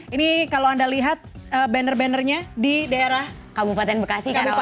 ini kalau anda lihat banner bannernya di daerah kabupaten bekasi